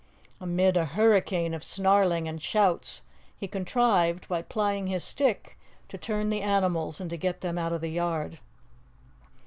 Amid a hurricane of snarling and shouts he contrived, by plying his stick, to turn the animals and to get them out of the yard.